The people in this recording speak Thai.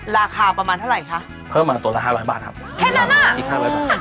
ราคาประมาณเท่าไรคะเพิ่มมาต่อละห้าบาทบาทครับแค่นั้น่ะ